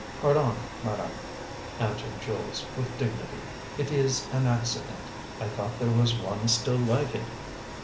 "Pardon, madame," answered Jules, with dignity; "it is an accident. I thought there was one still lighted."